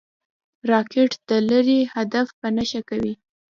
راکټ د لرې هدف په نښه کوي